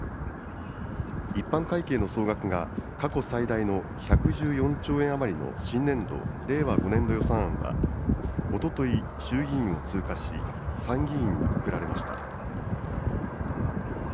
一般会計の総額が過去最大の１１４兆円余りの新年度・令和５年度予算案は、おととい衆議院を通過し、参議院に送られました。